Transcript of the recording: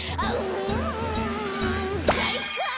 うんかいか！